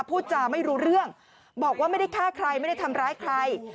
พูดจาไม่รู้เรื่องบอกว่าไม่ได้ฆ่าใครไม่ได้ทำร้ายใคร